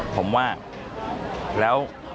ผมว่าแล้ว